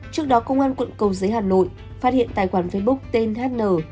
trước đó công an quận cầu giấy hà nội phát hiện tài khoản facebook tên hn